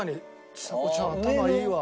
ちさ子ちゃん頭いいわ。